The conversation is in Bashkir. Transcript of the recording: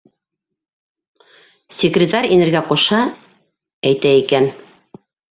Секретарь инергә ҡушһа, әйтә икән: